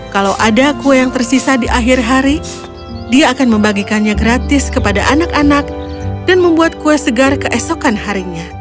kalau ada kue yang tersisa di akhir hari dia akan membagikannya gratis kepada anak anak dan membuat kue segar keesokan harinya